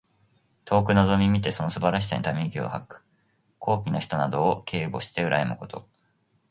遠くのぞみ見てその素晴らしさにため息を吐く。高貴の人などを敬慕してうらやむこと。